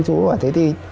chú bảo thế đi